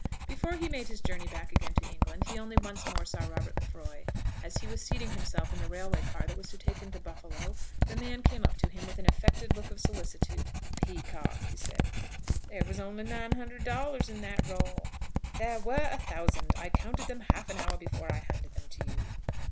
Before he made his journey back again to England he only once more saw Robert Lefroy. As he was seating himself in the railway car that was to take him to Buffalo the man came up to him with an affected look of solicitude. "Peacocke," he said, "there was only nine hundred dollars in that roll." "There were a thousand. I counted them half an hour before I handed them to you."